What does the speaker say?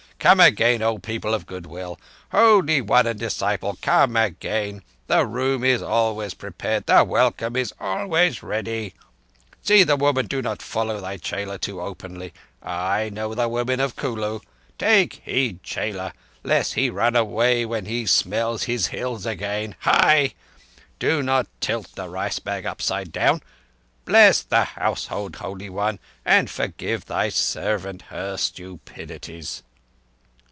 Come again, O people of good will. Holy One and disciple, come again. The room is always prepared; the welcome is always ready ... See the women do not follow thy chela too openly. I know the women of Kulu. Take heed, chela, lest he run away when he smells his Hills again ... Hai! Do not tilt the rice bag upside down ... Bless the household, Holy One, and forgive thy servant her stupidities."